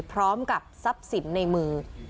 พร้อมกับทรัพย์สินในมือ